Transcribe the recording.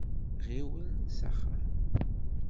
Ɣiwel s axxam.